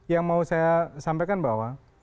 yang mau saya sampaikan bahwa